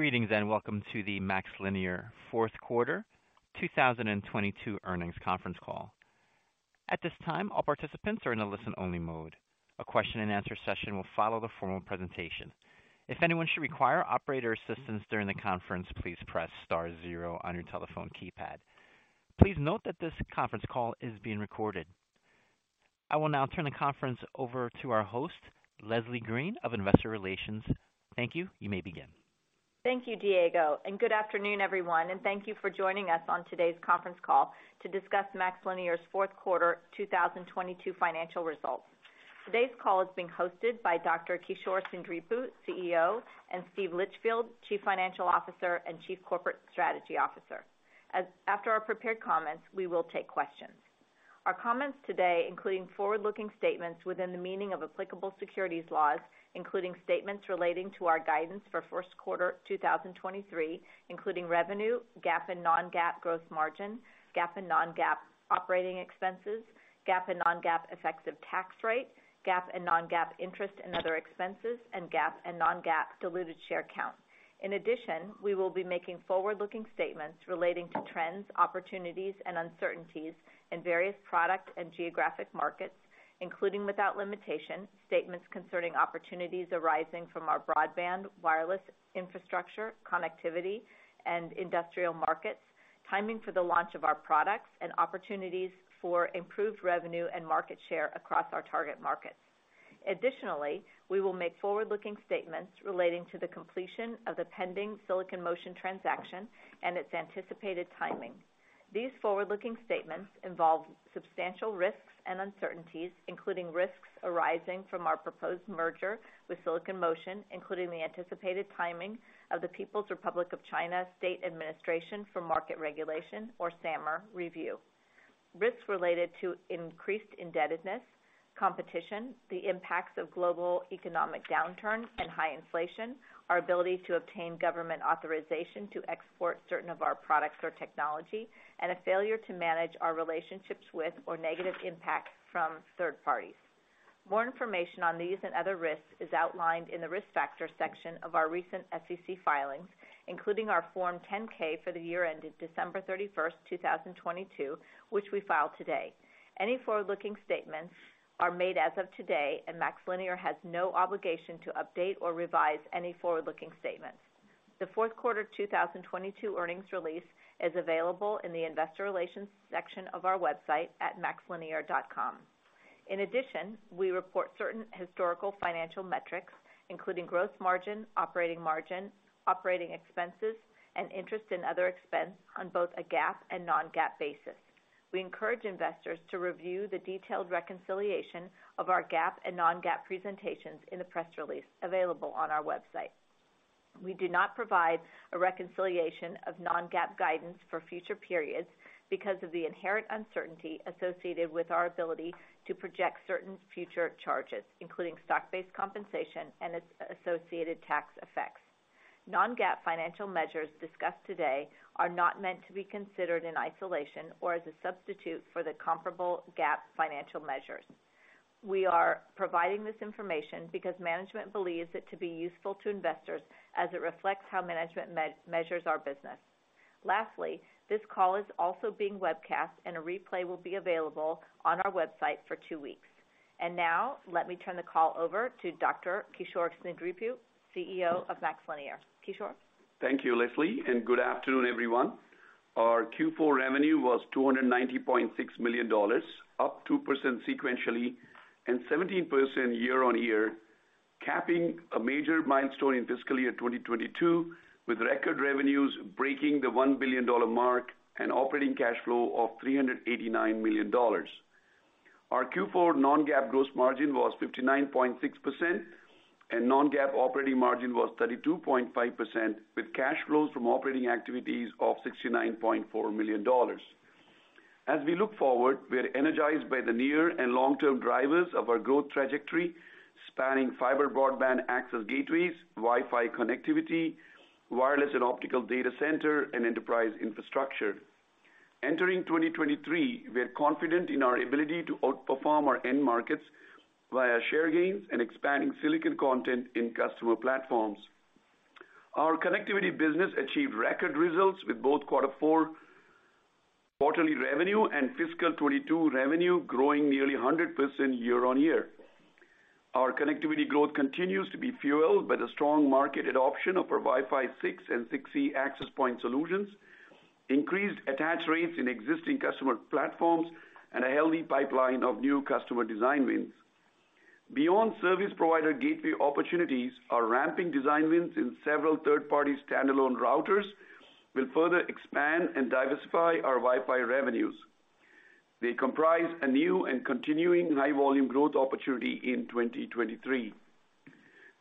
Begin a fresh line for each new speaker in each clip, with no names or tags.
Greetings, welcome to the MaxLinear fourth quarter 2022 earnings conference call. At this time, all participants are in a listen-only mode. A question and answer session will follow the formal presentation. If anyone should require operator assistance during the conference, please press star zero on your telephone keypad. Please note that this conference call is being recorded. I will now turn the conference over to our host, Leslie Green of Investor Relations. Thank you. You may begin.
Thank you, Diego, and good afternoon, everyone, and thank you for joining us on today's conference call to discuss MaxLinear's fourth quarter 2022 financial results. Today's call is being hosted by Dr. Kishore Seendripu, CEO, and Steve Litchfield, Chief Financial Officer and Chief Corporate Strategy Officer. After our prepared comments, we will take questions. Our comments today include forward looking statements within the meaning of applicable securities laws, including statements relating to our guidance for first quarter 2023, including revenue, GAAP and non-GAAP gross margin, GAAP and non-GAAP operating expenses, GAAP and non-GAAP effective tax rate, GAAP and non-GAAP interest and other expenses, and GAAP and non-GAAP diluted share count. In addition, we will be making forward looking statements relating to trends, opportunities and uncertainties in various product and geographic markets, including without limitation, statements concerning opportunities arising from our broadband, wireless infrastructure, connectivity, and industrial markets, timing for the launch of our products, and opportunities for improved revenue and market share across our target markets. Additionally, we will make forward looking statements relating to the completion of the pending Silicon Motion transaction and its anticipated timing. These forward looking statements involve substantial risks and uncertainties, including risks arising from our proposed merger with Silicon Motion, including the anticipated timing of the People's Republic of China State Administration for Market Regulation or SAMR review. Risks related to increased indebtedness, competition, the impacts of global economic downturn and high inflation, our ability to obtain government authorization to export certain of our products or technology, and a failure to manage our relationships with or negative impact from third parties. More information on these and other risks is outlined in the Risk Factors section of our recent SEC filings, including our Form 10K for the year ended December 31st, 2022, which we filed today. Any forward looking statements are made as of today, and MaxLinear has no obligation to update or revise any forward-looking statements. The fourth quarter 2022 earnings release is available in the investor relations section of our website at maxlinear.com. In addition, we report certain historical financial metrics, including growth margin, operating margin, operating expenses, and interest in other expense on both a GAAP and non-GAAP basis. We encourage investors to review the detailed reconciliation of our GAAP and non-GAAP presentations in the press release available on our website. We do not provide a reconciliation of non-GAAP guidance for future periods because of the inherent uncertainty associated with our ability to project certain future charges, including stock-based compensation and its associated tax effects. Non-GAAP financial measures discussed today are not meant to be considered in isolation or as a substitute for the comparable GAAP financial measures. We are providing this information because management believes it to be useful to investors as it reflects how management measures our business. Lastly, this call is also being webcast, and a replay will be available on our website for two weeks. Now, let me turn the call over to Dr. Kishore Seendripu, CEO of MaxLinear. Kishore?
Thank you, Leslie, and good afternoon, everyone. Our Q4 revenue was $290.6 million, up 2% sequentially and 17% year-on-year, capping a major milestone in fiscal year 2022, with record revenues breaking the $1 billion mark and operating cash flow of $389 million. Our Q4 non-GAAP gross margin was 59.6%, and non-GAAP operating margin was 32.5%, with cash flows from operating activities of $69.4 million. As we look forward, we are energized by the near and long-term drivers of our growth trajectory, spanning fiber broadband access gateways, Wi-Fi connectivity, wireless and optical data center and enterprise infrastructure. Entering 2023, we are confident in our ability to outperform our end markets via share gains and expanding silicon content in customer platforms. Our connectivity business achieved record results with both quarter four quarterly revenue and fiscal 22 revenue growing nearly 100% year-on-year. Our connectivity growth continues to be fueled by the strong market adoption of our Wi-Fi 6 and 6E access point solutions, increased attach rates in existing customer platforms, and a healthy pipeline of new customer design wins. Beyond service provider gateway opportunities, our ramping design wins in several third-party standalone routers will further expand and diversify our Wi-Fi revenues. They comprise a new and continuing high volume growth opportunity in 2023.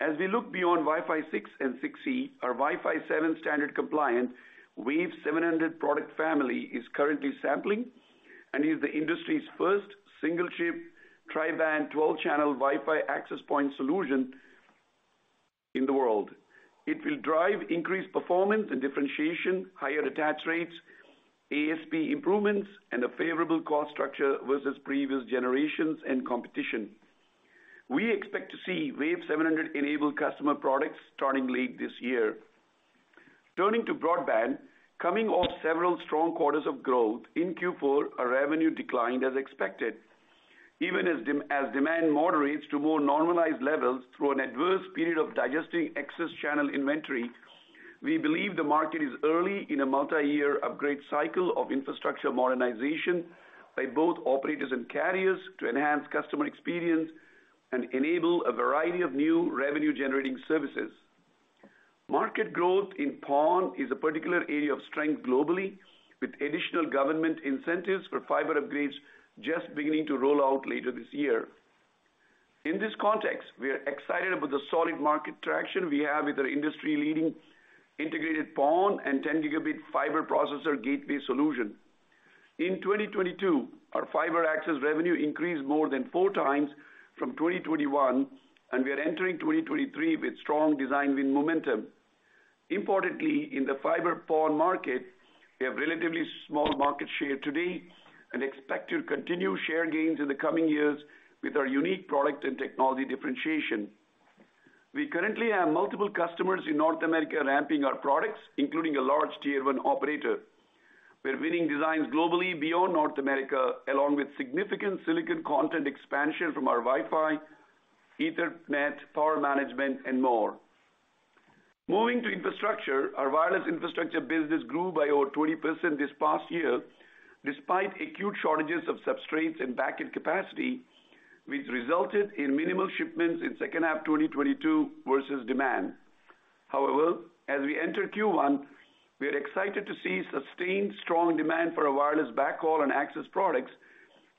As we look beyond Wi-Fi 6 and 6E, our Wi-Fi 7 standard compliant Wave 700 product family is currently sampling and is the industry's first single chip tri band 12 channel Wi-Fi access point solution in the world. It will drive increased performance and differentiation, higher attach rates, ASP improvements, and a favorable cost structure versus previous generations and competition. We expect to see Wave 700 enabled customer products starting late this year. Turning to broadband, coming off several strong quarters of growth in Q4, our revenue declined as expected. Even as demand moderates to more normalized levels through an adverse period of digesting excess channel inventory, we believe the market is early in a multi-year upgrade cycle of infrastructure modernization by both operators and carriers to enhance customer experience and enable a variety of new revenue-generating services. Market growth in PON is a particular area of strength globally, with additional government incentives for fiber upgrades just beginning to roll out later this year. In this context, we are excited about the solid market traction we have with our industry-leading integrated PON and 10 gigabit fiber processor gateway solution. In 2022, our fiber access revenue increased more than 4x from 2021, and we are entering 2023 with strong design win momentum. Importantly, in the fiber PON market, we have relatively small market share today and expect to continue share gains in the coming years with our unique product and technology differentiation. We currently have multiple customers in North America ramping our products, including a large tier one operator. We're winning designs globally beyond North America, along with significant silicon content expansion from our Wi-Fi, Ethernet, power management, and more. Moving to infrastructure, our wireless infrastructure business grew by over 20% this past year despite acute shortages of substrates and backend capacity, which resulted in minimal shipments in second half 2022 versus demand. As we enter Q1, we are excited to see sustained strong demand for our wireless backhaul and access products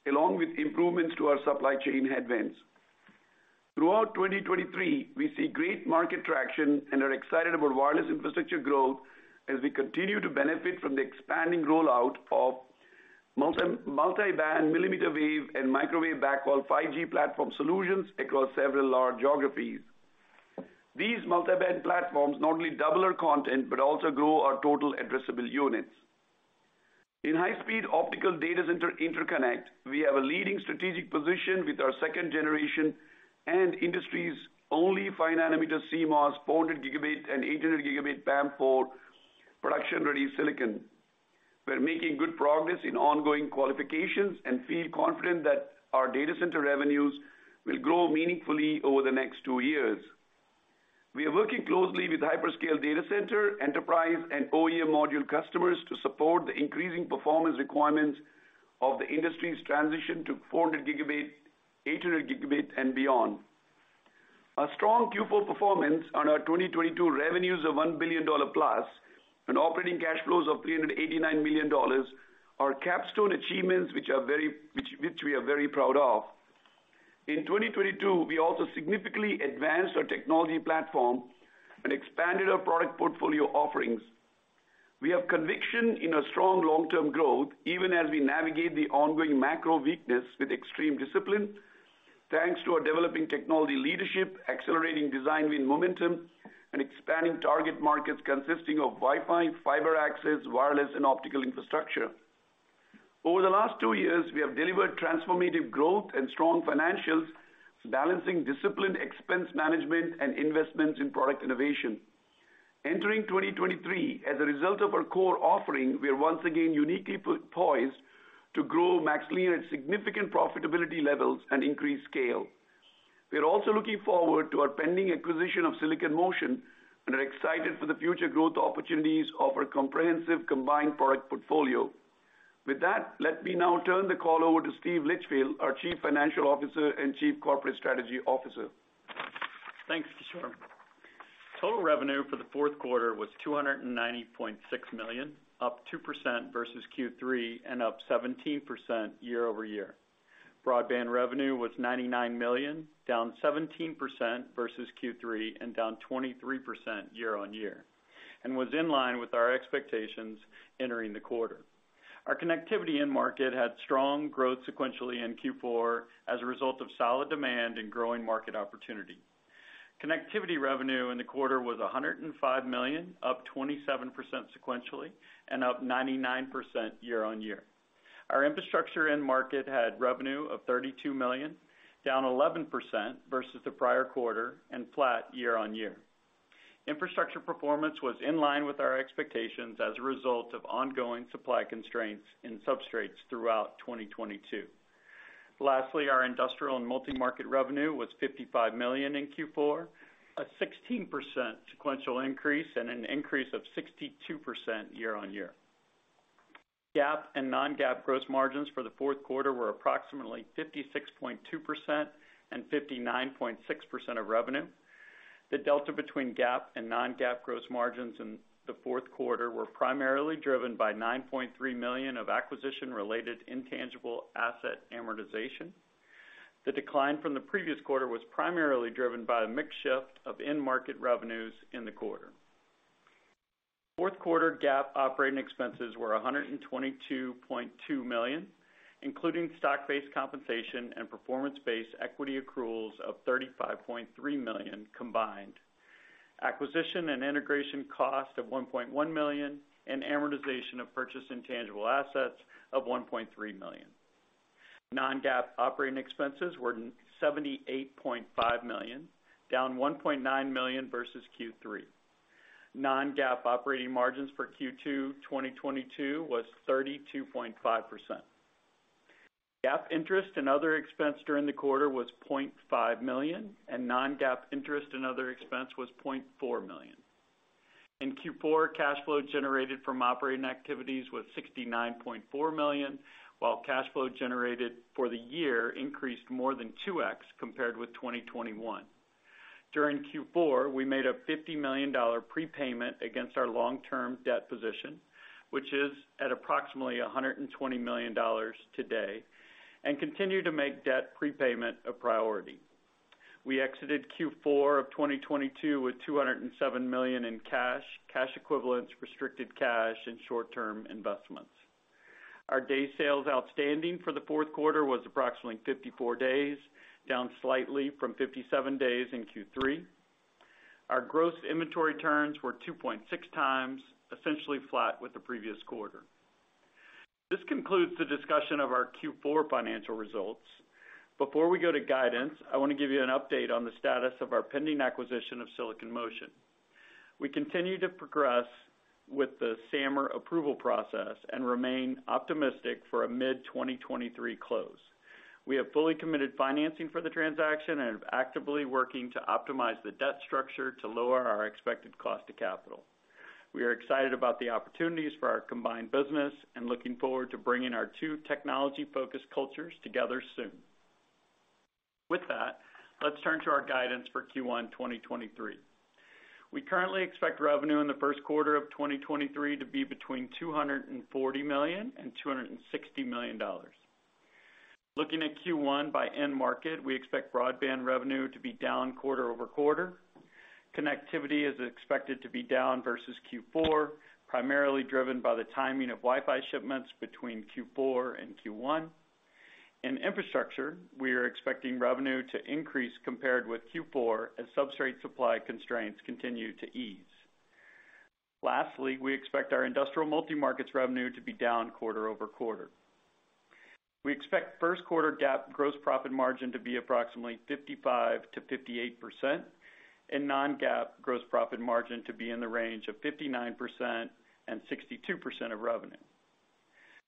along with improvements to our supply chain headwinds. Throughout 2023, we see great market traction and are excited about wireless infrastructure growth as we continue to benefit from the expanding rollout of multiband millimeter wave and microwave backhaul 5G platform solutions across several large geographies. These multiband platforms not only double our content but also grow our total addressable units. In high speed optical data center interconnect, we have a leading strategic position with our second generation and industry's only five nanometer CMOS 400 gigabit and 800 gigabit PAM4 production-ready silicon. We're making good progress in ongoing qualifications and feel confident that our data center revenues will grow meaningfully over the next two years. We are working closely with hyperscale data center, enterprise, and OEM module customers to support the increasing performance requirements of the industry's transition to 400 gigabit, 800 gigabit, and beyond. Our strong Q4 performance on our 2022 revenues of $1 billion-plus and operating cash flows of $389 million are capstone achievements which we are very proud of. In 2022, we also significantly advanced our technology platform and expanded our product portfolio offerings. We have conviction in our strong long-term growth, even as we navigate the ongoing macro weakness with extreme discipline, thanks to our developing technology leadership, accelerating design win momentum, and expanding target markets consisting of Wi-Fi, fiber access, wireless, and optical infrastructure. Over the last two years, we have delivered transformative growth and strong financials, balancing disciplined expense management and investments in product innovation. Entering 2023, as a result of our core offering, we are once again uniquely poised to grow MaxLinear at significant profitability levels and increase scale. We are also looking forward to our pending acquisition of Silicon Motion and are excited for the future growth opportunities of our comprehensive combined product portfolio. With that, let me now turn the call over to Steve Litchfield, our Chief Financial Officer and Chief Corporate Strategy Officer.
Thanks, Kishore. Total revenue for the fourth quarter was $290.6 million, up 2% versus Q3 and up 17% year-over-year. Broadband revenue was $99 million, down 17% versus Q3 and down 23% year-on-year and was in line with our expectations entering the quarter. Our connectivity end market had strong growth sequentially in Q4 as a result of solid demand and growing market opportunity. Connectivity revenue in the quarter was $105 million, up 27% sequentially and up 99% year-on-year. Our infrastructure end market had revenue of $32 million, down 11% versus the prior quarter and flat year-on-year. Infrastructure performance was in line with our expectations as a result of ongoing supply constraints in substrates throughout 2022. Lastly, our industrial and multi-market revenue was $55 million in Q4, a 16% sequential increase and an increase of 62% year-over-year. GAAP and non-GAAP gross margins for the fourth quarter were approximately 56.2% and 59.6% of revenue. The delta between GAAP and non-GAAP gross margins in the fourth quarter were primarily driven by $9.3 million of acquisition-related intangible asset amortization. The decline from the previous quarter was primarily driven by a mix shift of end market revenues in the quarter. Fourth quarter GAAP operating expenses were $122.2 million, including stock-based compensation and performance-based equity accruals of $35.3 million combined. Acquisition and integration cost of $1.1 million and amortization of purchase intangible assets of $1.3 million. Non-GAAP operating expenses were $78.5 million, down $1.9 million versus Q3. Non-GAAP operating margins for Q2 2022 was 32.5%. GAAP interest and other expense during the quarter was $0.5 million, and non-GAAP interest and other expense was $0.4 million. In Q4, cash flow generated from operating activities was $69.4 million, while cash flow generated for the year increased more than 2x compared with 2021. During Q4, we made a $50 million prepayment against our long-term debt position, which is at approximately $120 million today, and continue to make debt prepayment a priority. We exited Q4 of 2022 with $207 million in cash equivalents, restricted cash, and short-term investments. Our day sales outstanding for the fourth quarter was approximately 54 days, down slightly from 57 days in Q3. Our gross inventory turns were 2.6x essentially flat with the previous quarter. This concludes the discussion of our Q4 financial results. Before we go to guidance, I want to give you an update on the status of our pending acquisition of Silicon Motion. We continue to progress with the SAMR approval process and remain optimistic for a mid-2023 close. We have fully committed financing for the transaction and are actively working to optimize the debt structure to lower our expected cost to capital. We are excited about the opportunities for our combined business and looking forward to bringing our two technology focused cultures together soon. With that, let's turn to our guidance for Q1 2023. We currently expect revenue in the first quarter of 2023 to be between $240 million and $260 million. Looking at Q1 by end market, we expect broadband revenue to be down quarter-over-quarter. Connectivity is expected to be down versus Q4, primarily driven by the timing of Wi-Fi shipments between Q4 and Q1. In infrastructure, we are expecting revenue to increase compared with Q4 as substrate supply constraints continue to ease. Lastly, we expect our industrial multi-markets revenue to be down quarter-over-quarter. We expect first quarter GAAP gross profit margin to be approximately 55%-58% and non-GAAP gross profit margin to be in the range of 59% and 62% of revenue.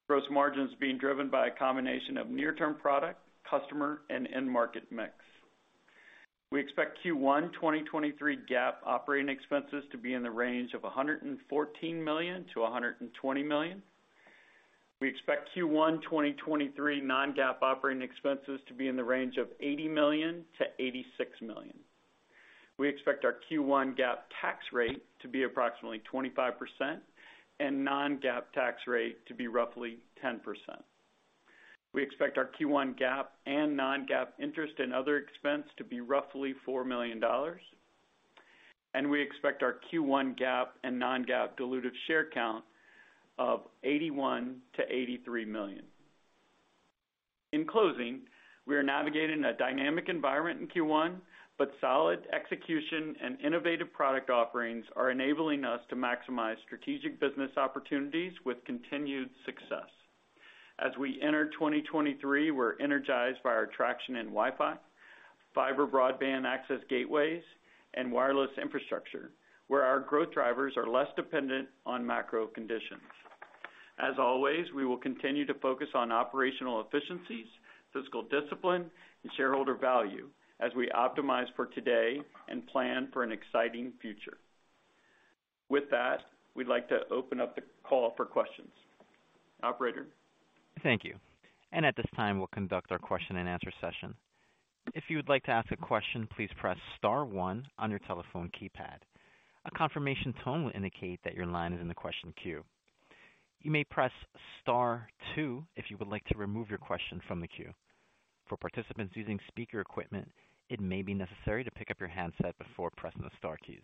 Gross margins being driven by a combination of near-term product, customer, and end market mix. We expect Q1 2023 GAAP operating expenses to be in the range of $114 million-$120 million. We expect Q1 2023 non-GAAP operating expenses to be in the range of $80 million-$86 million. We expect our Q1 GAAP tax rate to be approximately 25% and non-GAAP tax rate to be roughly 10%. We expect our Q1 GAAP and non-GAAP interest and other expense to be roughly $4 million, and we expect our Q1 GAAP and non-GAAP diluted share count of 81 million-83 million. In closing, we are navigating a dynamic environment in Q1, but solid execution and innovative product offerings are enabling us to maximize strategic business opportunities with continued success. As we enter 2023, we're energized by our traction in Wi-Fi, fiber broadband access gateways, and wireless infrastructure, where our growth drivers are less dependent on macro conditions. As always, we will continue to focus on operational efficiencies, fiscal discipline, and shareholder value as we optimize for today and plan for an exciting future. With that, we'd like to open up the call for questions. Operator?
Thank you. At this time, we'll conduct our question-and-answer session. If you would like to ask a question, please press star one on your telephone keypad. A confirmation tone will indicate that your line is in the question queue. You may press star two if you would like to remove your question from the queue. For participants using speaker equipment, it may be necessary to pick up your handset before pressing the star keys.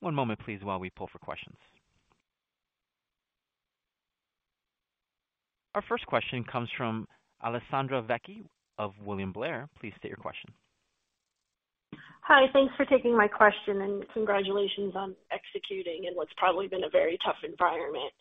One moment, please, while we pull for questions. Our first question comes from Alessandra Vecchi of William Blair. Please state your question.
Hi. Thanks for taking my question and congratulations on executing in what's probably been a very tough environment.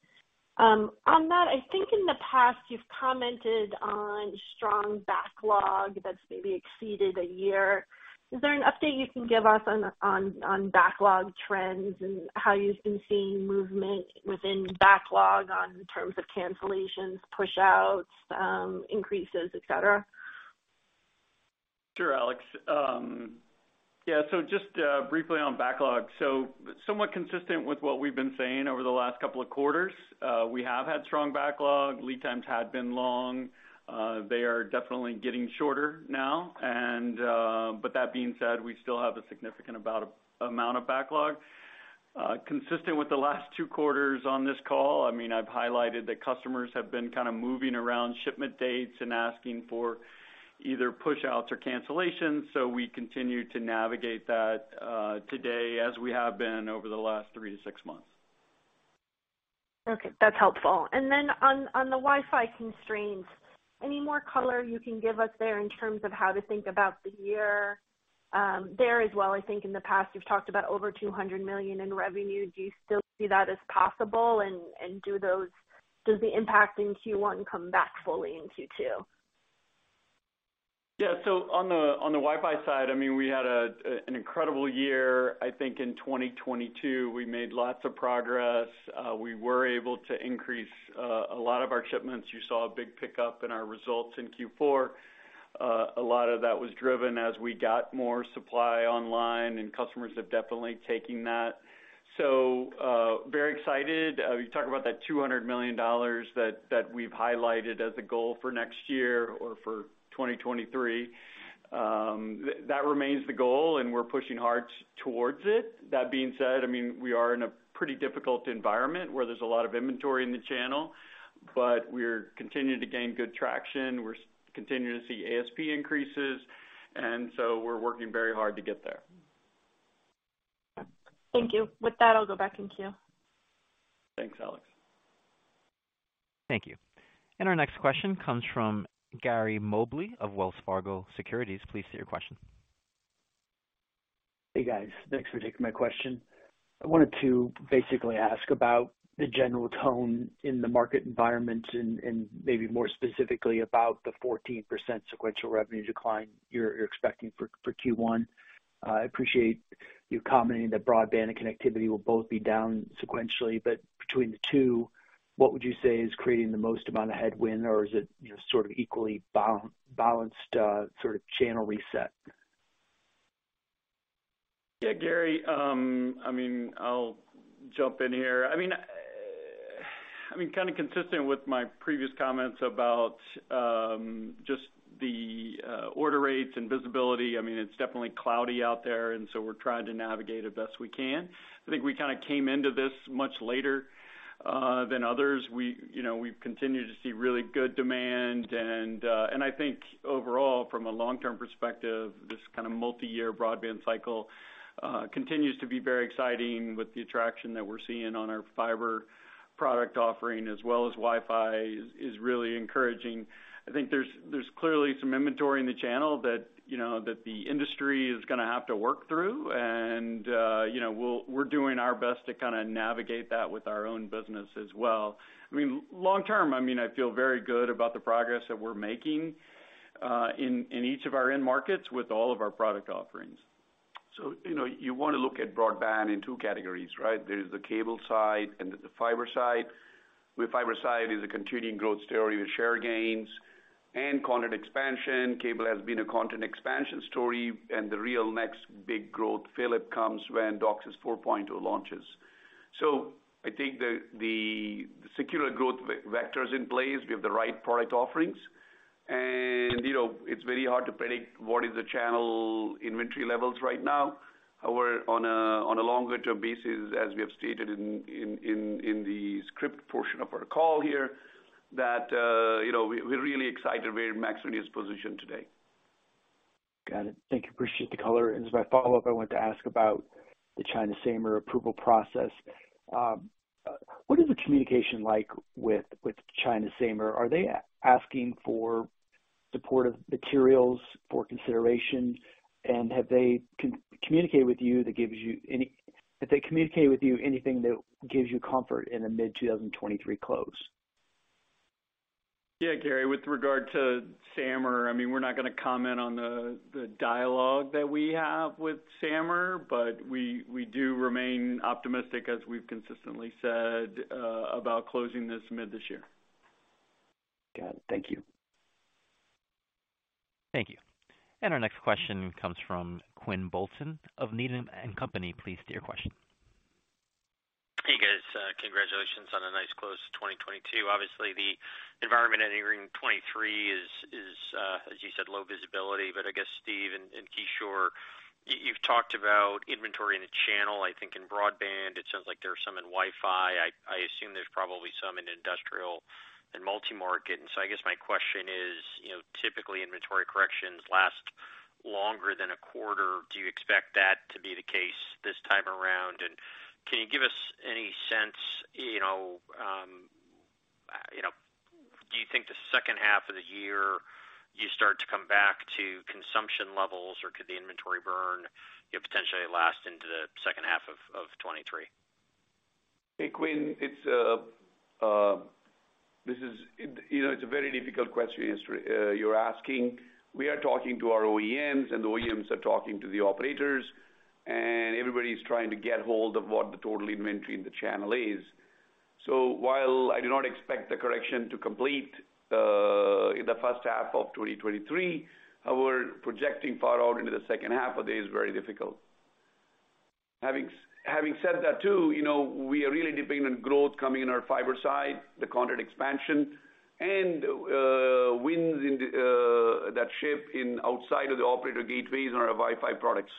On that, I think in the past you've commented on strong backlog that's maybe exceeded a year. Is there an update you can give us on backlog trends and how you've been seeing movement within backlog on terms of cancellations, pushouts, increases, et cetera? Sure, Alex. Just briefly on backlog. Somewhat consistent with what we've been saying over the last couple of quarters, we have had strong backlog. Lead times had been long. They are definitely getting shorter now and, but that being said, we still have a significant amount of backlog. Consistent with the last 2 quarters on this call, I mean, I've highlighted that customers have been kind of moving around shipment dates and asking for either pushouts or cancellations, we continue to navigate that today, as we have been over the last three to six months. Okay, that's helpful. On, on the Wi-Fi constraints, any more color you can give us there in terms of how to think about the year, there as well? I think in the past, you've talked about over $200 million in revenue. Do you still see that as possible and does the impact in Q1 come back fully in Q2?
Yeah. On the Wi-Fi side, I mean, we had an incredible year, I think, in 2022. We made lots of progress. We were able to increase a lot of our shipments. You saw a big pickup in our results in Q4. A lot of that was driven as we got more supply online, and customers have definitely taken that. Very excited. You talk about that $200 million that we've highlighted as a goal for next year or for 2023. That remains the goal, and we're pushing hard towards it. That being said, I mean, we are in a pretty difficult environment where there's a lot of inventory in the channel, but we're continuing to gain good traction. We're continuing to see ASP increases, and so we're working very hard to get there.
Thank you. With that, I'll go back in queue.
Thanks, Alex.
Thank you. Our next question comes from Gary Mobley of Wells Fargo Securities. Please state your question.
Hey, guys. Thanks for taking my question. I wanted to basically ask about the general tone in the market environment and maybe more specifically about the 14% sequential revenue decline you're expecting for Q1. I appreciate you commenting that broadband and connectivity will both be down sequentially, but between the two, what would you say is creating the most amount of headwind, or is it, you know, sort of equally balanced, sort of channel reset?
Yeah, Gary, I mean, kinda consistent with my previous comments about just the order rates and visibility. I mean, it's definitely cloudy out there, we're trying to navigate it best we can. I think we kinda came into this much later than others. We, you know, we've continued to see really good demand and I think overall, from a long-term perspective, this kind of multi-year broadband cycle continues to be very exciting with the traction that we're seeing on our fiber product offering as well as Wi-Fi is really encouraging. I think there's clearly some inventory in the channel that, you know, that the industry is gonna have to work through. You know, we're doing our best to kinda navigate that with our own business as well. I mean, long term, I mean, I feel very good about the progress that we're making, in each of our end markets with all of our product offerings.
You know, you wanna look at broadband in two categories, right? There is the cable side and the fiber side. With fiber side is a continuing growth story with share gains and content expansion. Cable has been a content expansion story, and the real next big growth fillip comes when DOCSIS 4.0 launches. I think the secular growth vectors in place, we have the right product offerings. You know, it's very hard to predict what is the channel inventory levels right now. However, on a longer term basis, as we have stated in the script portion of our call here, that, you know, we're really excited where MaxLinear is positioned today.
Got it. Thank you. Appreciate the color. As my follow up, I wanted to ask about the China SAMR approval process. What is the communication like with China SAMR? Are they asking for supportive materials for consideration? Have they communicated with you anything that gives you comfort in a mid-2023 close?
Yeah, Gary, with regard to SAMR, I mean, we're not gonna comment on the dialogue that we have with SAMR, but we do remain optimistic, as we've consistently said, about closing this mid this year.
Got it. Thank you.
Thank you. Our next question comes from Quinn Bolton of Needham & Company. Please state your question.
Hey, guys. Congratulations on a nice close to 2022. Obviously, the environment entering 2023 is, as you said, low visibility. I guess, Steve and Kishore, you've talked about inventory in the channel. I think in broadband, it sounds like there are some in Wi-Fi. I assume there's probably some in industrial and multimarket. I guess my question is, you know, typically inventory corrections last longer than a quarter. Do you expect that to be the case this time around? Can you give us any sense, you know, you know, do you think the second half of the year you start to come back to consumption levels, or could the inventory burn, you know, potentially last into the second half of 2023?
Hey, Quinn. You know, it's a very difficult question you're asking. We are talking to our OEMs, and the OEMs are talking to the operators, and everybody's trying to get hold of what the total inventory in the channel is. While I do not expect the correction to complete in the first half of 2023, however, projecting far out into the second half of the year is very difficult. Having said that, too, you know, we are really dependent on growth coming in our fiber side, the content expansion and wins in the that ship in outside of the operator gateways and our Wi-Fi products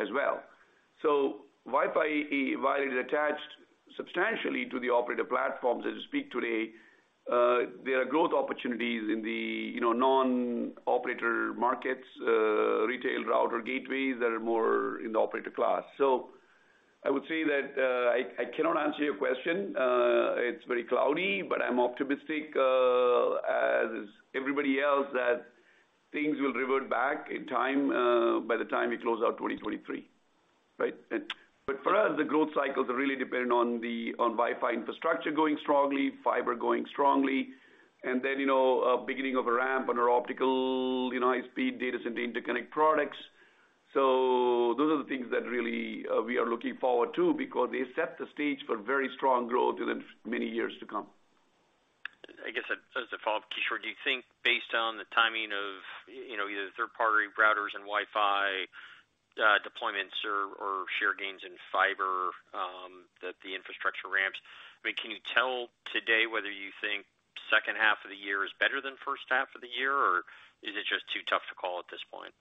as well. Wi-Fi, while it is attached substantially to the operator platforms as we speak today. There are growth opportunities in the, you know, non-operator markets, retail router gateways that are more in the operator class. I would say that, I cannot answer your question. It's very cloudy, but I'm optimistic, as everybody else, that things will revert back in time, by the time we close out 2023, right? For us, the growth cycles are really dependent on Wi-Fi infrastructure going strongly, fiber going strongly, and then, you know, a beginning of a ramp on our optical, you know, high speed data center interconnect products. Those are the things that really, we are looking forward to because they set the stage for very strong growth within many years to come.
I guess as a follow up, Kishore, do you think based on the timing of, you know, either third-party routers and Wi-Fi deployments or share gains in fiber, that the infrastructure ramps, I mean, can you tell today whether you think second half of the year is better than first half of the year, or is it just too tough to call at this point?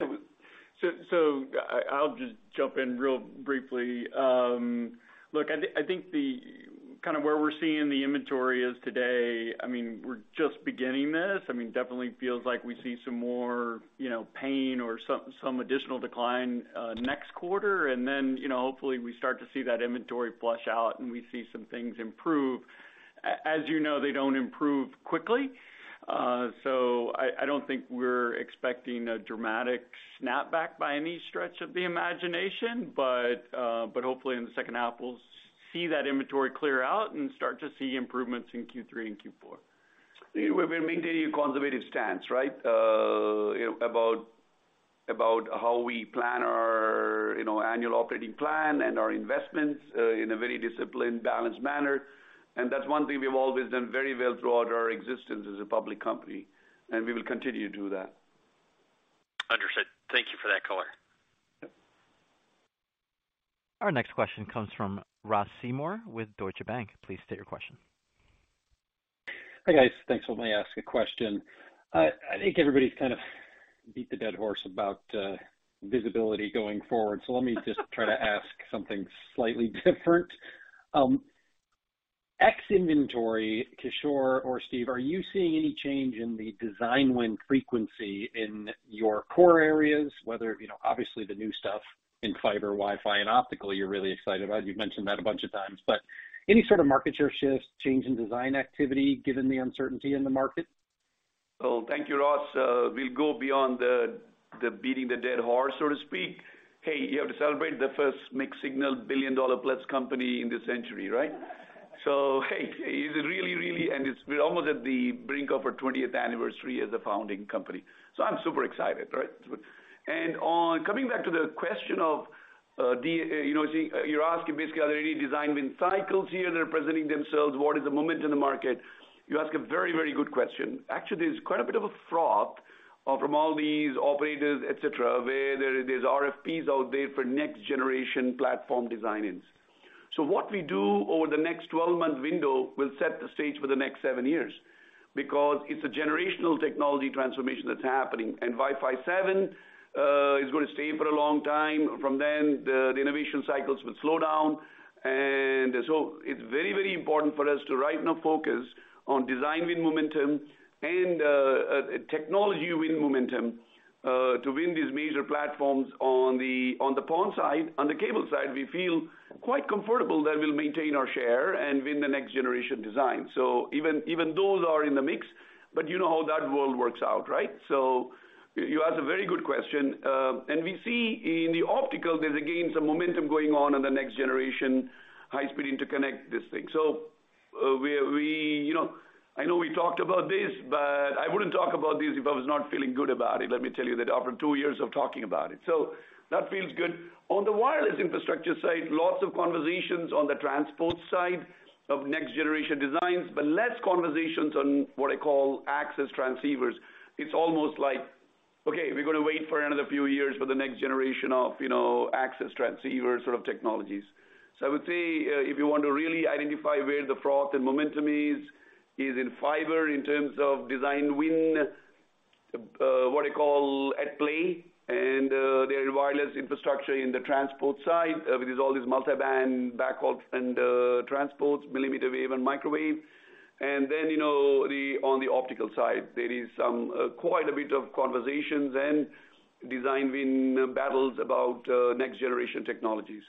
I'll just jump in real briefly. Look, I think the kind of where we're seeing the inventory is today, I mean, we're just beginning this. I mean, definitely feels like we see some more, you know, pain or some additional decline next quarter. You know, hopefully we start to see that inventory flush out, and we see some things improve. As you know, they don't improve quickly. I don't think we're expecting a dramatic snapback by any stretch of the imagination. Hopefully in the second half, we'll see that inventory clear out and start to see improvements in Q3 and Q4.
We're maintaining a conservative stance, right? About how we plan our, you know, annual operating plan and our investments, in a very disciplined, balanced manner. That's one thing we've always done very well throughout our existence as a public company, and we will continue to do that.
Understood. Thank you for that color.
Yep.
Our next question comes from Ross Seymore with Deutsche Bank. Please state your question.
Hi, guys. Thanks. Let me ask a question. I think everybody's kind of beat the dead horse about visibility going forward, let me just try to ask something slightly different. Ex inventory, Kishore or Steve, are you seeing any change in the design win frequency in your core areas, whether, you know, obviously the new stuff in fiber, Wi-Fi and optical, you're really excited about, you've mentioned that a bunch of times. Any sort of market share shifts, change in design activity given the uncertainty in the market?
Thank you, Ross. We'll go beyond the beating the dead horse, so to speak. Hey, you have to celebrate the first mixed signal billion dollar-plus company in this century, right? Hey, it's really, really. And we're almost at the brink of our 20th anniversary as a founding company. I'm super excited, right? On coming back to the question of the, you know, you're asking basically, are there any design win cycles here that are presenting themselves? What is the moment in the market? You ask a very, very good question. Actually, there's quite a bit of a froth from all these operators, et cetera, where there's RFPs out there for next generation platform design-ins. What we do over the next 12 month window will set the stage for the next seven years because it's a generational technology transformation that's happening. Wi-Fi 7 is gonna stay for a long time. From then, the innovation cycles will slow down. It's very, very important for us to right now focus on design win momentum and technology win momentum to win these major platforms on the PON side. On the cable side, we feel quite comfortable that we'll maintain our share and win the next generation design. Even those are in the mix, but you know how that world works out, right? You asked a very good question. And we see in the optical there's, again, some momentum going on in the next generation high speed interconnect, this thing. We, you know... I know we talked about this. I wouldn't talk about this if I was not feeling good about it, let me tell you that, after two years of talking about it. That feels good. On the wireless infrastructure side, lots of conversations on the transport side of next generation designs, but less conversations on what I call access transceivers. It's almost like, okay, we're gonna wait for another few years for the next generation of, you know, access transceiver sort of technologies. I would say, if you want to really identify where the froth and momentum is in fiber in terms of design win, what I call at play and, the wireless infrastructure in the transport side, with all these multi-band backhauls and, transports, millimeter wave and microwave. You know, on the optical side, there is some, quite a bit of conversations and design win battles about, next generation technologies.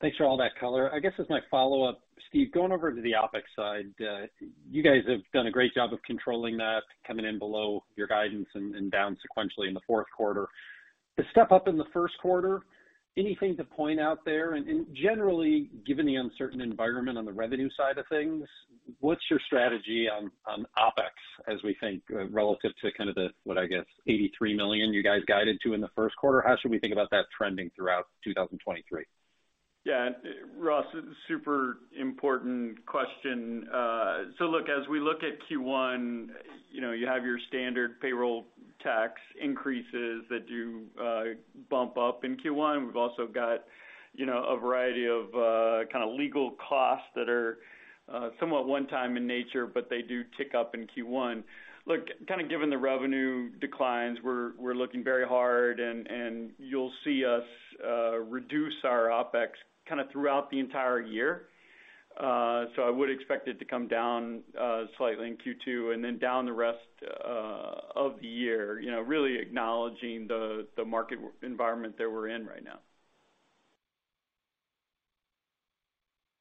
Thanks for all that color. I guess as my follow-up, Steve, going over to the OpEx side, you guys have done a great job of controlling that, coming in below your guidance and down sequentially in the fourth quarter. The step up in the first quarter, anything to point out there? Generally, given the uncertain environment on the revenue side of things, what's your strategy on OpEx as we think relative to kind of the, what I guess, $83 million you guys guided to in the first quarter? How should we think about that trending throughout 2023?
Yeah. Ross, super important question. Look, as we look at Q1, you know, you have your standard payroll tax increases that do bump up in Q1. We've also got, you know, a variety of kind of legal costs that are somewhat one time in nature, but they do tick up in Q1. Look, kind of given the revenue declines, we're looking very hard and you'll see us reduce our OpEx kind of throughout the entire year. I would expect it to come down slightly in Q2, and then down the rest of the year, you know, really acknowledging the market environment that we're in right now.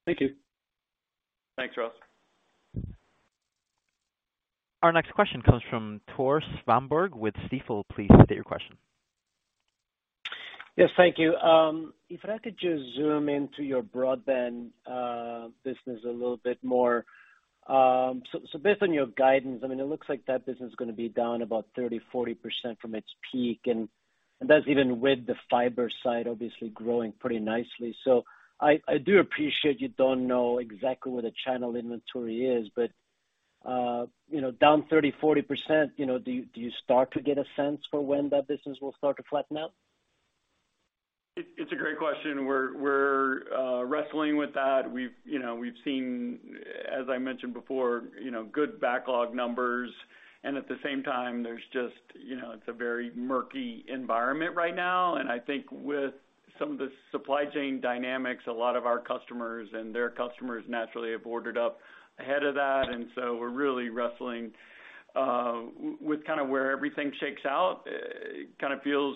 Thank you.
Thanks, Ross.
Our next question comes from Tore Svanberg with Stifel. Please state your question.
Thank you. If I could just zoom into your broadband business a little bit more. Based on your guidance, I mean, it looks like that business is gonna be down about 30%-40% from its peak, and that's even with the fiber side obviously growing pretty nicely. I do appreciate you don't know exactly where the channel inventory is, but, you know, down 30%-40%, you know, do you start to get a sense for when that business will start to flatten out?
It's a great question. We're wrestling with that. We've, you know, seen, as I mentioned before, you know, good backlog numbers. At the same time, there's just, you know, it's a very murky environment right now. I think with some of the supply chain dynamics, a lot of our customers and their customers naturally have ordered up ahead of that. We're really wrestling with kind of where everything shakes out. It kind of feels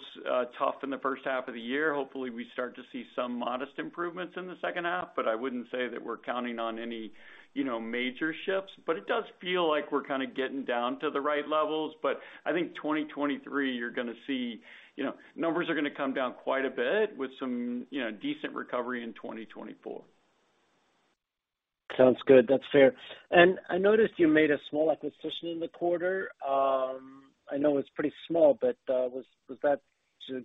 tough in the first half of the year. Hopefully, we start to see some modest improvements in the second half, but I wouldn't say that we're counting on any, you know, major shifts. It does feel like we're kind of getting down to the right levels. I think 2023, you're gonna see, you know, numbers are gonna come down quite a bit with some, you know, decent recovery in 2024.
Sounds good. That's fair. I noticed you made a small acquisition in the quarter. I know it's pretty small, but, was that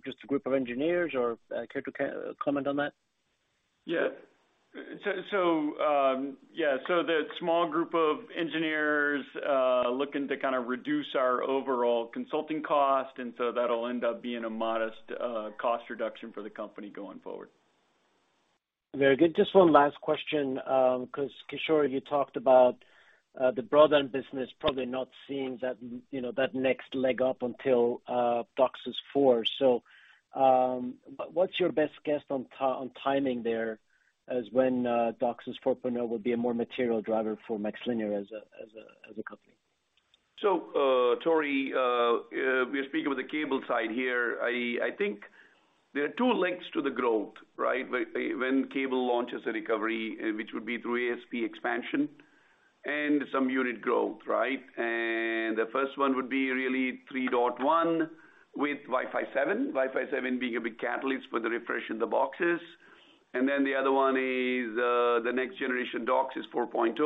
just a group of engineers or care to comment on that?
Yeah. Yeah, so that small group of engineers, looking to kind of reduce our overall consulting cost, and so that'll end up being a modest cost reduction for the company going forward.
Very good. Just one last question, 'cause, Kishore, you talked about the broadband business probably not seeing that, you know, that next leg up until DOCSIS 4.0. What's your best guess on timing there as when DOCSIS 4.0 will be a more material driver for MaxLinear as a company?
Tore, we are speaking with the cable side here. I think there are two links to the growth, right? When cable launches a recovery, which would be through ASP expansion and some unit growth, right? The first one would be really 3.1 with Wi-Fi 7, Wi-Fi 7 being a big catalyst for the refresh in the boxes. The other one is the next generation DOCSIS 4.0,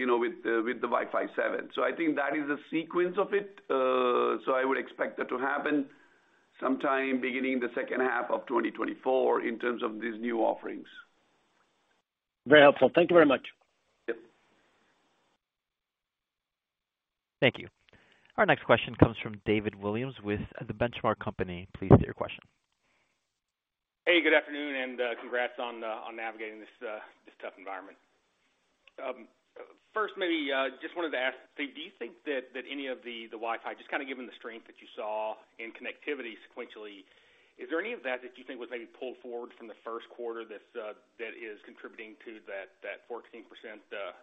you know, with the Wi-Fi 7. I think that is the sequence of it. I would expect that to happen sometime beginning the second half of 2024 in terms of these new offerings.
Very helpful. Thank you very much.
Yep.
Thank you. Our next question comes from David Williams with The Benchmark Company. Please state your question.
Hey, good afternoon, congrats on navigating this tough environment. First, maybe, just wanted to ask, do you think that any of the Wi-Fi, just kind of given the strength that you saw in connectivity sequentially, is there any of that you think was maybe pulled forward from the first quarter that is contributing to that 14%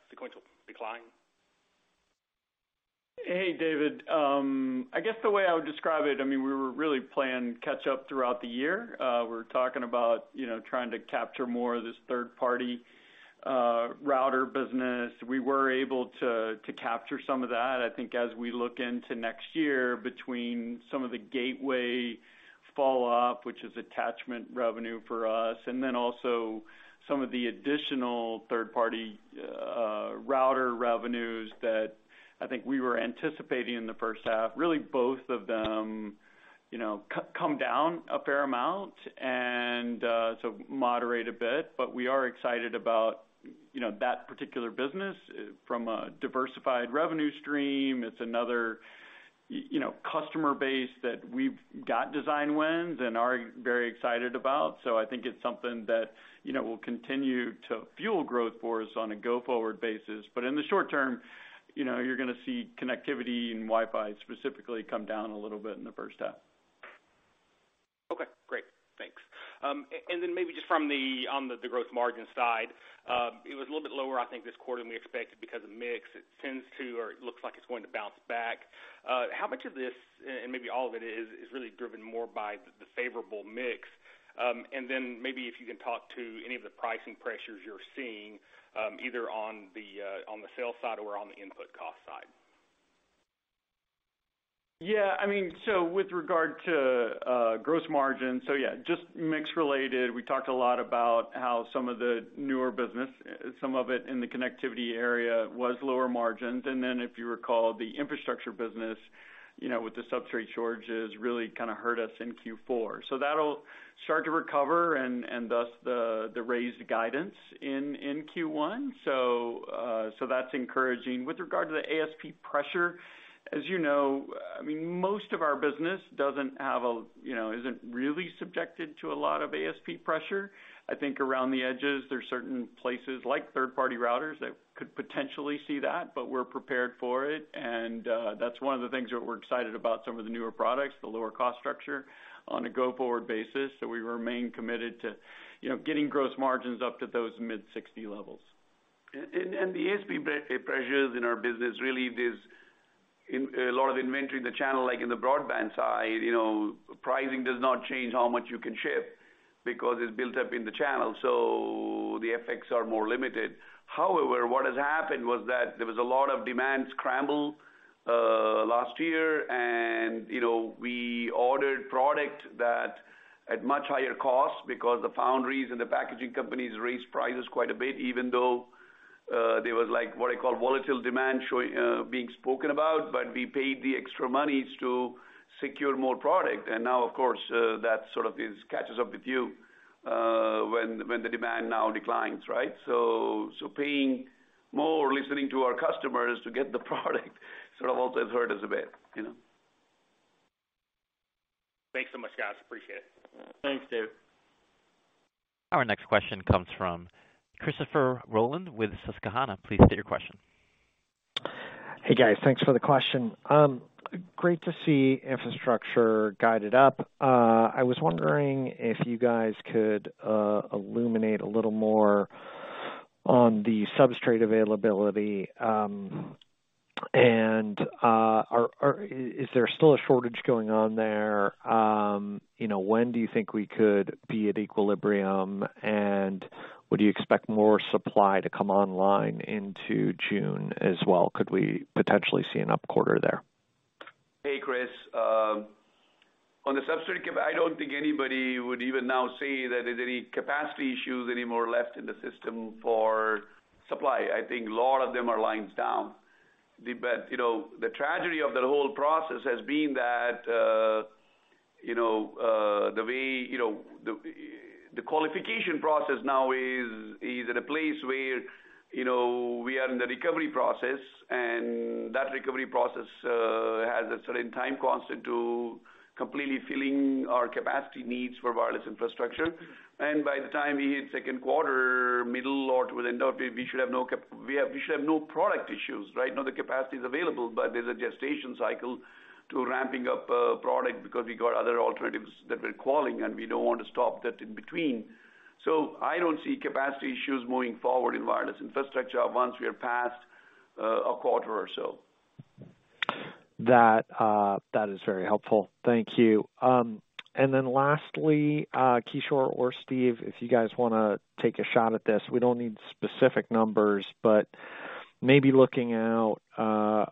sequential decline?
Hey, David. I guess the way I would describe it, I mean, we were really playing catch up throughout the year. We're talking about, you know, trying to capture more of this third-party router business. We were able to capture some of that. I think as we look into next year between some of the gateway fall off, which is attachment revenue for us, and then also some of the additional third-party router revenues that I think we were anticipating in the first half, really both of them, you know, come down a fair amount and so moderate a bit. We are excited about, you know, that particular business from a diversified revenue stream. It's another, you know, customer base that we've got design wins and are very excited about. I think it's something that, you know, will continue to fuel growth for us on a go forward basis. In the short term, you know, you're gonna see connectivity and Wi-Fi specifically come down a little bit in the first half.
Okay, great. Thanks. Maybe just on the growth margin side, it was a little bit lower, I think, this quarter than we expected because of mix. It tends to or it looks like it's going to bounce back. How much of this, and maybe all of it, is really driven more by the favorable mix? Maybe if you can talk to any of the pricing pressures you're seeing, either on the sales side or on the input cost side.
Yeah, I mean, with regard to gross margin. Yeah, just mix related. We talked a lot about how some of the newer business, some of it in the connectivity area, was lower margins. If you recall, the infrastructure business, you know, with the substrate shortages, really kinda hurt us in Q4. That'll start to recover and thus the raised guidance in Q1. That's encouraging. With regard to the ASP pressure, as you know, I mean, most of our business doesn't have. You know, isn't really subjected to a lot of ASP pressure. I think around the edges, there are certain places like third-party routers that could potentially see that, but we're prepared for it. That's one of the things that we're excited about some of the newer products, the lower cost structure on a go-forward basis. We remain committed to, you know, getting gross margins up to those mid-60% levels.
The ASP pre-pressures in our business really is in a lot of inventory in the channel, like in the broadband side. You know, pricing does not change how much you can ship because it's built up in the channel, so the effects are more limited. However, what has happened was that there was a lot of demand scramble, last year. You know, we ordered product that at much higher cost because the foundries and the packaging companies raised prices quite a bit, even though, there was like what I call volatile demand showing, being spoken about, but we paid the extra money to secure more product. Now, of course, that sort of is catches up with you, when the demand now declines, right? Paying more, listening to our customers to get the product sort of also has hurt us a bit, you know.
Thanks so much, guys. Appreciate it.
Thanks, Dave.
Our next question comes from Christopher Rolland with Susquehanna. Please state your question.
Hey, guys. Thanks for the question. Great to see infrastructure guided up. I was wondering if you guys could illuminate a little more on the substrate availability. Is there still a shortage going on there? You know, when do you think we could be at equilibrium? Would you expect more supply to come online into June as well? Could we potentially see an up quarter there?
Hey, Chris. On the substrate, I don't think anybody would even now say that there's any capacity issues anymore left in the system for supply. I think a lot of them are lines down. You know, the tragedy of that whole process has been that, you know, the way, you know, the qualification process now is at a place where, you know, we are in the recovery process, and that recovery process has a certain time constant to completely filling our capacity needs for wireless infrastructure. By the time we hit second quarter, middle or toward the end of it, we should have no product issues, right? The capacity is available, but there's a gestation cycle to ramping up product because we got other alternatives that we're calling, and we don't want to stop that in between. I don't see capacity issues moving forward in wireless infrastructure once we are past a quarter or so.
That, that is very helpful. Thank you. Lastly, Kishore or Steve, if you guys wanna take a shot at this. We don't need specific numbers, but maybe looking out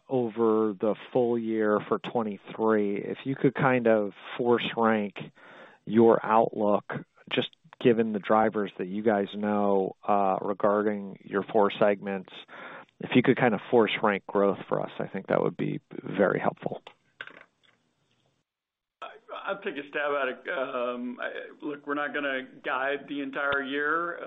over the full year for 2023, if you could kind of force rank your outlook, just given the drivers that you guys know, regarding your four segments. If you could kind of force rank growth for us, I think that would be very helpful.
I'll take a stab at it. Look, we're not gonna guide the entire year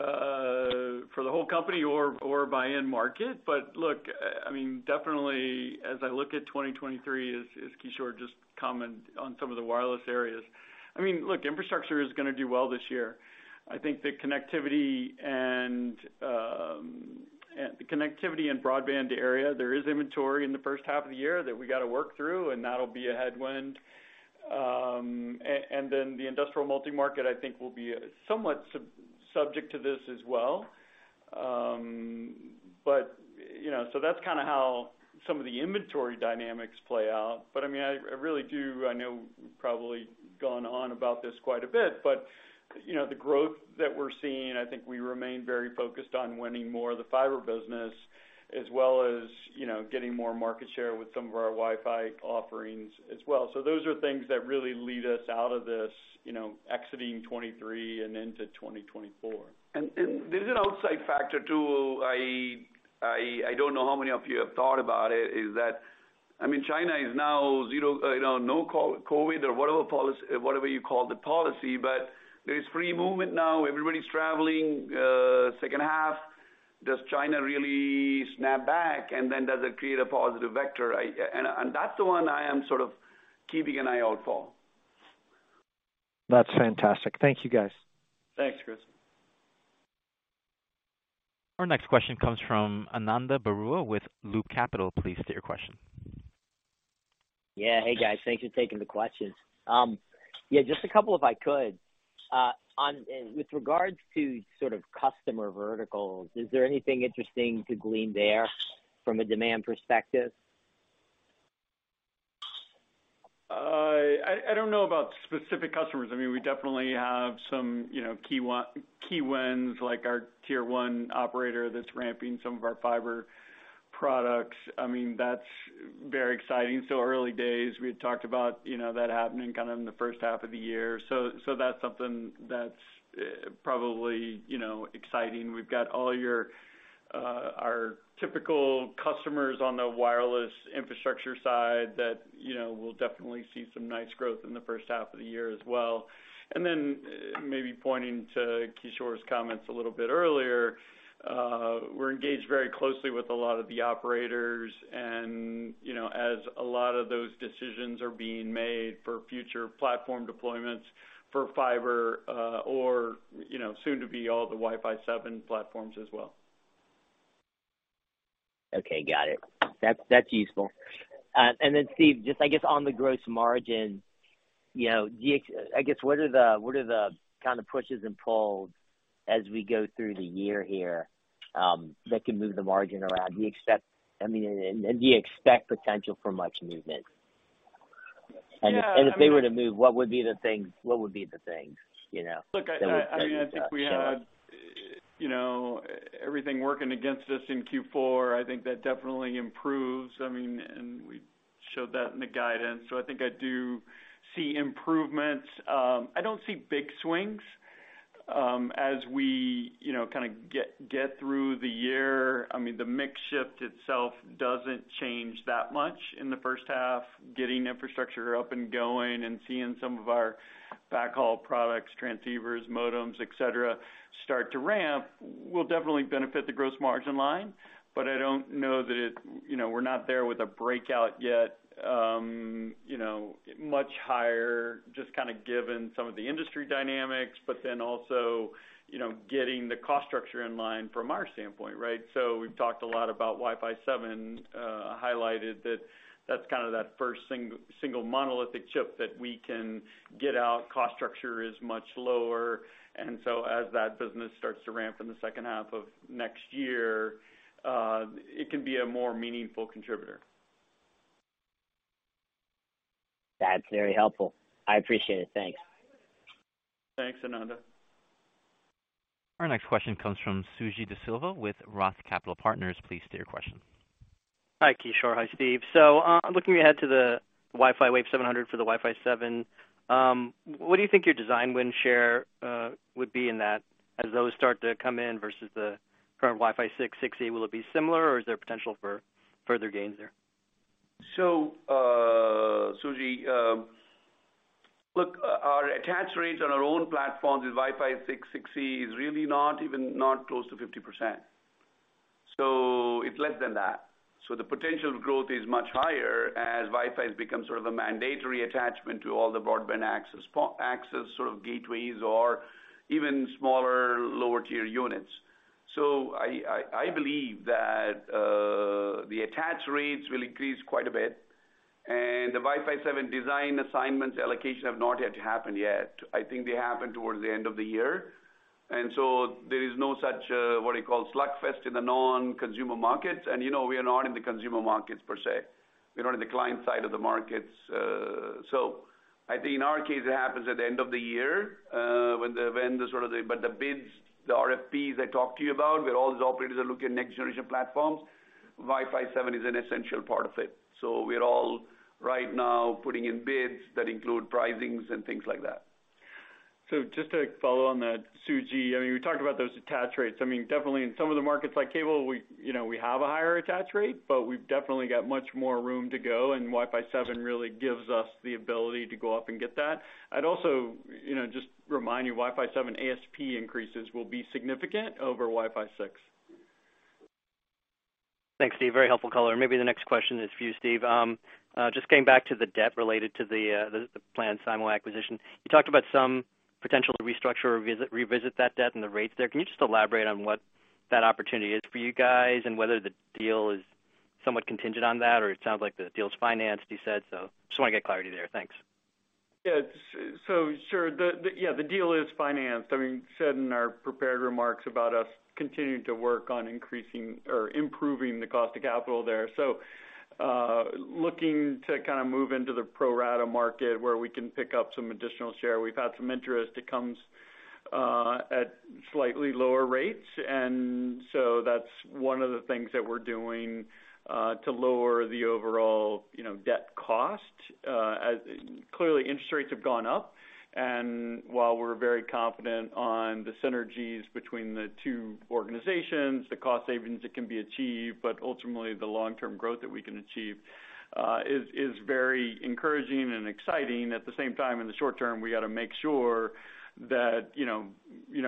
for the whole company or by end market. Look, I mean, definitely as I look at 2023, as Kishore just comment on some of the wireless areas. I mean, look, infrastructure is gonna do well this year. I think the connectivity and the connectivity and broadband area, there is inventory in the first half of the year that we got to work through, and that'll be a headwind. And then the industrial multi-market, I think, will be somewhat subject to this as well. you know, so that's kinda how some of the inventory dynamics play out. I mean, I really do. I know we've probably gone on about this quite a bit, but, you know, the growth that we're seeing, I think we remain very focused on winning more of the fiber business as well as, you know, getting more market share with some of our Wi-Fi offerings as well. Those are things that really lead us out of this, you know, exiting 2023 and into 2024.
There's an outside factor, too. I don't know how many of you have thought about it, is that, I mean, China is now zero-- You know, no COVID or whatever you call the policy, but there is free movement now. Everybody's traveling. Second half, does China really snap back? Does it create a positive vector? That's the one I am sort of keeping an eye out for.
That's fantastic. Thank you, guys.
Thanks, Chris.
Our next question comes from Ananda Baruah with Loop Capital. Please state your question.
Hey, guys. Thanks for taking the questions. just a couple if I could. With regards to sort of customer verticals, is there anything interesting to glean there from a demand perspective?
I don't know about specific customers. I mean, we definitely have some, you know, key wins, like our tier one operator that's ramping some of our fiber products. I mean, that's very exciting. Still early days. We had talked about, you know, that happening kind of in the first half of the year. That's something that's, probably, you know, exciting. We've got all your, our typical customers on the wireless infrastructure side that, you know, we'll definitely see some nice growth in the first half of the year as well. Maybe pointing to Kishore's comments a little bit earlier, we're engaged very closely with a lot of the operators and, you know, as a lot of those decisions are being made for future platform deployments for fiber, or, you know, soon to be all the Wi-Fi 7 platforms as well.
Okay. Got it. That's, that's useful. Steve, just I guess on the gross margin, you know, I guess, what are the kind of pushes and pulls as we go through the year here that can move the margin around? I mean, and do you expect potential for much movement?
Yeah, I mean.
If they were to move, what would be the things, you know, that would set these up, so.
Look, I mean, I think we had, you know, everything working against us in Q4. I think that definitely improves. I mean, we showed that in the guidance. I think I do see improvements. I don't see big swings as we, you know, kinda get through the year. I mean, the mix shift itself doesn't change that much in the first half. Getting infrastructure up and going and seeing some of our backhaul products, transceivers, modems, et cetera, start to ramp will definitely benefit the gross margin line. I don't know that it. You know, we're not there with a breakout yet, you know, much higher, just kinda given some of the industry dynamics, also, you know, getting the cost structure in line from our standpoint, right? We've talked a lot about Wi-Fi 7, highlighted that that's kind of that first single monolithic chip that we can get out. Cost structure is much lower. As that business starts to ramp in the second half of next year, it can be a more meaningful contributor.
That's very helpful. I appreciate it. Thanks.
Thanks, Ananda.
Our next question comes from Suji DeSilva with Roth Capital Partners. Please state your question.
Hi, Kishore. Hi, Steve. Looking ahead to the Wi-Fi Wave 700 for the Wi-Fi 7, what do you think your design win share would be in that as those start to come in versus the current Wi-Fi 6/6E? Will it be similar, or is there potential for further gains there?
Look, our attach rates on our own platforms with Wi-Fi 6/6E is really not even not close to 50%. It's less than that. The potential growth is much higher as Wi-Fi has become sort of a mandatory attachment to all the broadband access sort of gateways or even smaller lower tier units. I believe that the attach rates will increase quite a bit. The Wi-Fi 7 design assignments allocation have not yet happened yet. I think they happen towards the end of the year. There is no such, what do you call, slugfest in the non-consumer markets. You know, we are not in the consumer markets per se. We're not in the client side of the markets. I think in our case, it happens at the end of the year. The bids, the RFPs I talked to you about, where all these operators are looking at next generation platforms, Wi-Fi 7 is an essential part of it. We're all right now putting in bids that include pricings and things like that.
Just to follow on that, Suji. I mean, we talked about those attach rates. I mean, definitely in some of the markets like cable, we, you know, we have a higher attach rate, but we've definitely got much more room to go, and Wi-Fi 7 really gives us the ability to go up and get that. I'd also, you know, just remind you, Wi-Fi 7 ASP increases will be significant over Wi-Fi 6.
Thanks, Steve. Very helpful color. Maybe the next question is for you, Steve. just getting back to the debt related to the planned Simo acquisition. You talked about some potential to restructure or revisit that debt and the rates there. Can you just elaborate on what that opportunity is for you guys and whether the deal is somewhat contingent on that? It sounds like the deal's financed, you said, so just wanna get clarity there. Thanks.
Yeah. So sure. The, yeah, the deal is financed. I mean, said in our prepared remarks about us continuing to work on increasing or improving the cost of capital there. Looking to kind of move into the pro rata market where we can pick up some additional share. We've had some interest that comes at slightly lower rates, and so that's one of the things that we're doing to lower the overall, you know, debt cost. Clearly, interest rates have gone up, and while we're very confident on the synergies between the two organizations, the cost savings that can be achieved, but ultimately the long-term growth that we can achieve is very encouraging and exciting. At the same time, in the short term, we gotta make sure that, you know,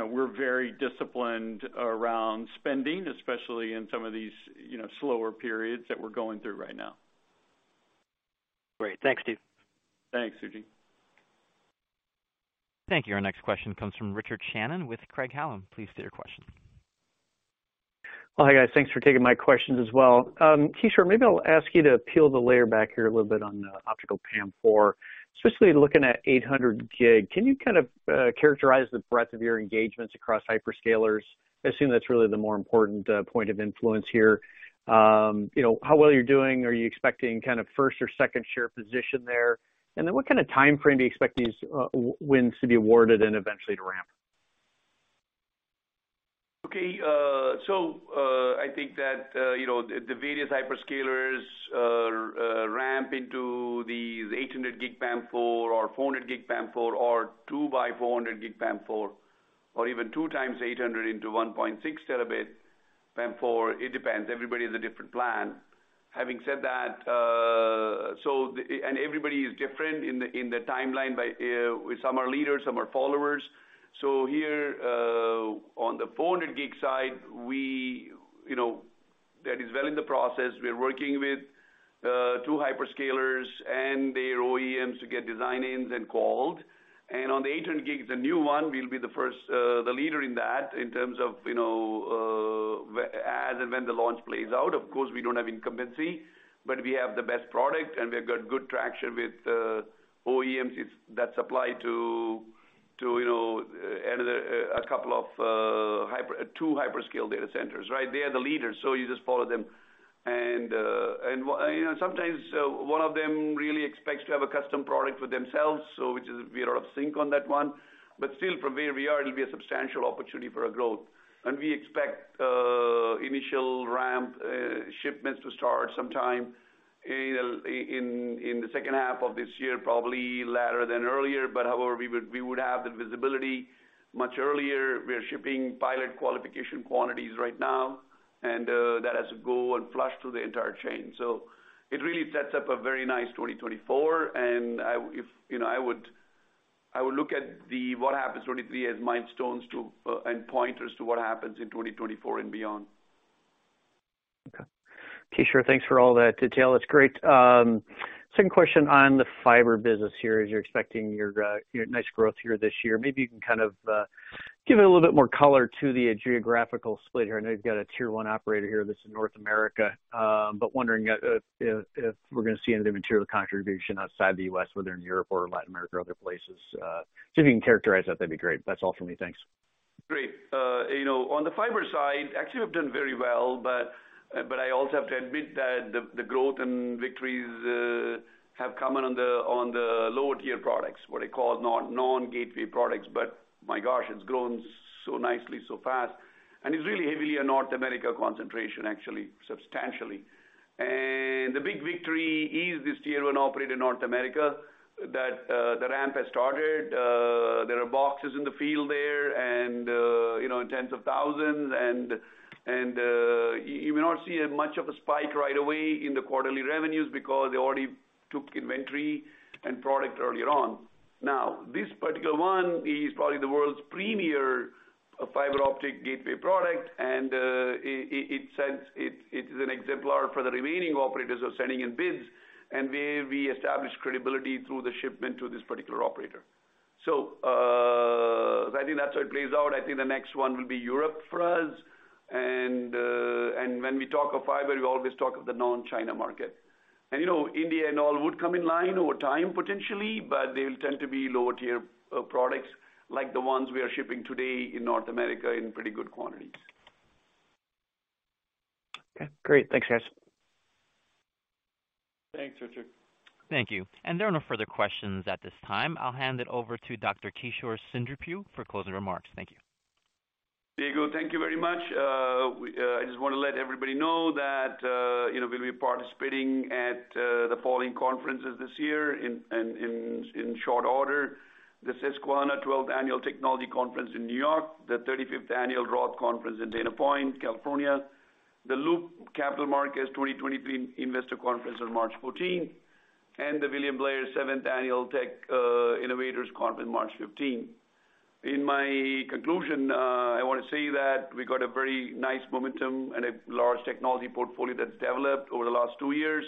we're very disciplined around spending, especially in some of these, you know, slower periods that we're going through right now.
Great. Thanks, Steve.
Thanks, Suji.
Thank you. Our next question comes from Richard Shannon with Craig-Hallum. Please state your question.
Hi, guys. Thanks for taking my questions as well. Kishore, maybe I'll ask you to peel the layer back here a little bit on the optical PAM4, especially looking at 800 gig. Can you kind of characterize the breadth of your engagements across hyperscalers? I assume that's really the more important point of influence here. You know, how well you're doing? Are you expecting kind of first or second share position there? What kind of timeframe do you expect these wins to be awarded and eventually to ramp?
Okay. I think that, you know, the various hyperscalers ramp into these 800 gig PAM4 or 400 gig PAM4 or 2x 400 gig PAM4 or even 2x 800 into 1.6 terabit PAM4. It depends. Everybody has a different plan. Having said that, everybody is different in the timeline by some are leaders, some are followers. Here, on the 400 gig side, we, you know, that is well in the process. We're working with two hyperscalers and their OEMs to get design ins and called. On the 800 gig, the new one, we'll be the first, the leader in that in terms of, you know, as and when the launch plays out. Of course, we don't have incumbency, but we have the best product, and we've got good traction with OEMs that supply to, you know, another couple of hyperscale data centers, right? They are the leaders, so you just follow them. You know, sometimes one of them really expects to have a custom product for themselves, so which is we are out of sync on that one. Still, from where we are, it'll be a substantial opportunity for our growth. We expect initial ramp shipments to start sometime in the second half of this year, probably latter than earlier. However, we would have the visibility much earlier. We are shipping pilot qualification quantities right now, and that has to go and flush through the entire chain. It really sets up a very nice 2024. If, you know, I would look at the what happens 2023 as milestones to, and pointers to what happens in 2024 and beyond.
Kishore, thanks for all that detail. That's great. Second question on the fiber business here, as you're expecting your nice growth here this year, maybe you can give a little bit more color to the geographical split here. I know you've got a tier one operator here that's in North America, wondering if we're gonna see any material contribution outside the U.S., whether in Europe or Latin America or other places. If you can characterize that'd be great. That's all for me. Thanks.
Great. you know, on the fiber side, actually, we've done very well, but I also have to admit that the growth and victories have come in on the, on the lower tier products, what I call non-gateway products. My gosh, it's grown so nicely, so fast. It's really heavily a North America concentration, actually, substantially. The big victory is this tier one operator in North America that the ramp has started. There are boxes in the field there and you know, in tens of thousands. You may not see a much of a spike right away in the quarterly revenues because they already took inventory and product earlier on. Now, this particular one is probably the world's premier fiber optic gateway product, and it is an exemplar for the remaining operators who are sending in bids, and we establish credibility through the shipment to this particular operator. I think that's how it plays out. I think the next one will be Europe for us. When we talk of fiber, we always talk of the non-China market. You know, India and all would come in line over time, potentially, but they'll tend to be lower tier products like the ones we are shipping today in North America in pretty good quantities.
Okay, great. Thanks, guys.
Thanks, Richard.
Thank you. There are no further questions at this time. I'll hand it over to Dr. Kishore Seendripu for closing remarks. Thank you.
Diego, thank you very much. I just want to let everybody know that, you know, we'll be participating at the following conferences this year in short order. The Susquehanna Twelfth Annual Technology Conference in New York, the 35th Annual Roth Conference in Dana Point, California, the Loop Capital Markets 2023 Investor Conference on March 14th, and the William Blair 7th Annual Tech Innovators Conference, March 15. In my conclusion, I wanna say that we got a very nice momentum and a large technology portfolio that's developed over the last two years.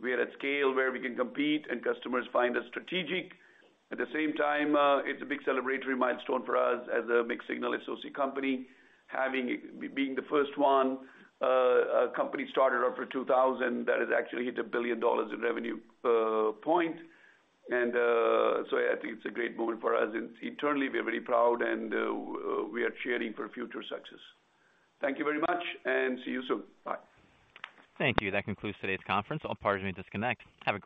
We are at scale where we can compete and customers find us strategic. At the same time, it's a big celebratory milestone for us as a mixed signal SOC company. being the first one, company started after 2000 that has actually hit $1 billion in revenue, point. I think it's a great moment for us. Internally, we are very proud and we are cheering for future success. Thank you very much and see you soon. Bye.
Thank you. That concludes today's conference. All parties may disconnect. Have a great day.